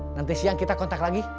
nanti siang kita kontak lagi